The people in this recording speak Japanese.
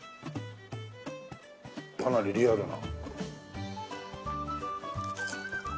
かなりリアルな。